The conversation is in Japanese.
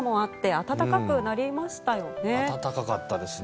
暖かかったですね。